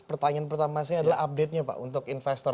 pertanyaan pertama saya adalah update nya pak untuk investor